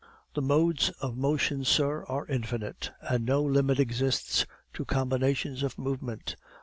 The modes of motion, sir, are infinite, and no limit exists to combinations of movement.